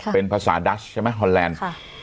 เป็นภาษาดัชใช่ไหมฮอนแลนด์